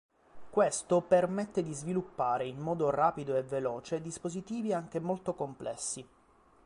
Questo permette di sviluppare in modo rapido e veloce dispositivi anche molto complessi.